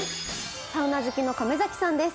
サウナ好きの亀崎さんです。